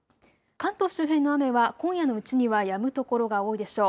関東周辺の雨は今夜のうちにはやむ所が多いでしょう。